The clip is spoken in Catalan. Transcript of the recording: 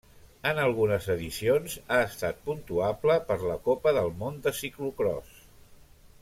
En algunes edicions ha estat puntuable per la Copa del món de ciclocròs.